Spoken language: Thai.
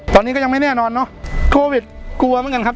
ตอนนี้ก็ยังไม่แน่นอนเนอะโควิดกลัวเหมือนกันครับ